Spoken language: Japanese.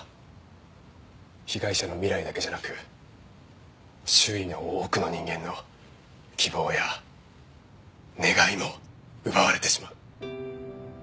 被害者の未来だけじゃなく周囲の多くの人間の希望や願いも奪われてしまう。